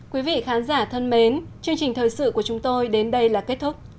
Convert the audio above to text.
quý vị khán giả thân mến chương trình thời sự của chúng tôi đến đây là kết thúc